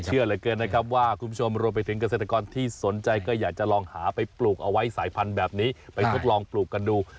เชื่อเหลือเกินนะครับว่าคุณผู้ชมรวมไปถึงเกษตรกรที่สนใจก็อยากจะลองหาไปปลูกเอาไว้สายพันธุ์แบบนี้ไปทดลองปลูกกันดู